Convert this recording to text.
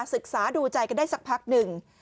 ศึกษาดูใจกันได้สักพักหนึ่ง